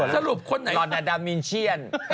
สรุปคนไหนลอร์ดดาดามินเชียน